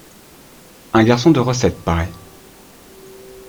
Un garçon de recette paraît.